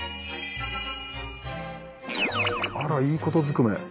あらいいことずくめ！